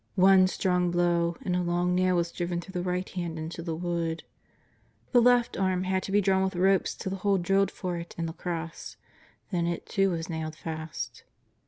One strong blow, and a long nail w^as driven through the right hand into the wood. The left arm had to be drawn with ropes to the hole drilled for it in the cross. Then it too was nailed fast.